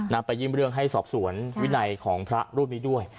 ไปเยี่ยมเรื่องให้สอบสวนวินัยของพระรูปนี้ด้วย